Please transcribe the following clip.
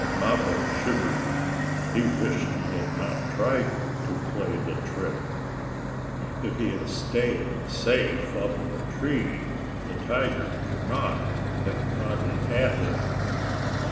Mappo shivered. He wished he had not tried to play the trick. If he had stayed safe up in the tree, the tiger could not have gotten at him.